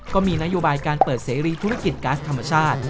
ก็มีนโยบายการเปิดเสรีธุรกิจก๊าซธรรมชาติ